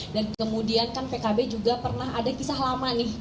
dan kemudian kan pkb juga pernah ada kisah lama